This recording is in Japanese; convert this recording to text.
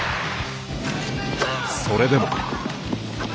それでも。